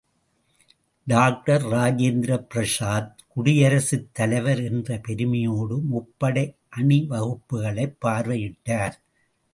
Doctor Rajendra Prasad குடியரசுத் தலைவர் என்ற பெருமையோடு முப்படை அணிவகுப்புக்களைப் பார்வையிட்டார்.